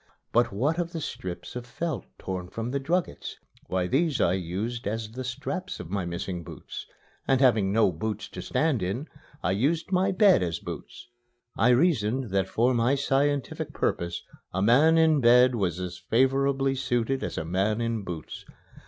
But what of the strips of felt torn from the druggets? Why, these I used as the straps of my missing boots; and having no boots to stand in, I used my bed as boots. I reasoned that for my scientific purpose a man in bed was as favorably situated as a man in boots.